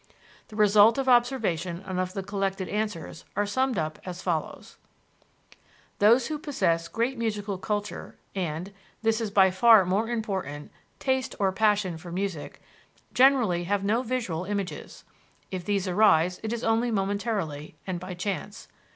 The result of observation and of the collected answers are summed up as follows: Those who possess great musical culture and this is by far more important taste or passion for music, generally have no visual images. If these arise, it is only momentarily, and by chance.